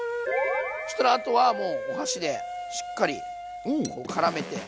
そしたらあとはもうお箸でしっかりこうからめて。